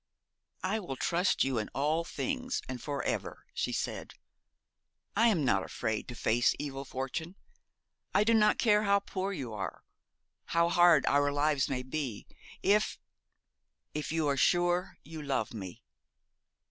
'I will trust you in all things, and for ever,' she said. 'I am not afraid to face evil fortune. I do not care how poor you are how hard our lives may be if if you are sure you love me.'